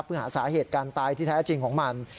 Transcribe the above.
เพื่อหาสาเหตุการตายที่แท้จริงของมัน